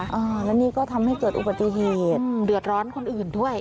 อ่าแล้วนี่ก็ทำให้เกิดอุบัติเหตุเดือดร้อนคนอื่นด้วย